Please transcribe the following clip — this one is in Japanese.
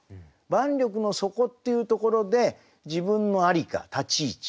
「万緑の底」っていうところで自分の在りか立ち位置。